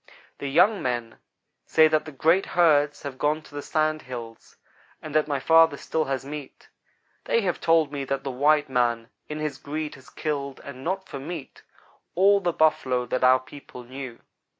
The young men say that the great herds have gone to the Sand Hills, and that my father still has meat. They have told me that the white man, in his greed, has killed and not for meat all the Buffalo that our people knew.